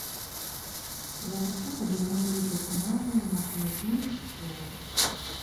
Я хачу, каб яны былі персанажамі нашай адзінай гісторыі.